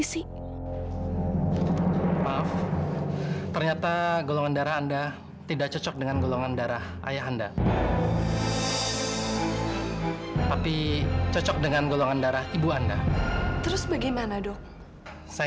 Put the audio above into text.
saya mau pulang naik kendaraan umum aja